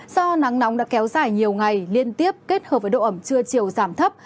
do nắng nóng đã kéo dài nhiều ngày liên tiếp kết hợp với độ ẩm trưa chiều giảm thấp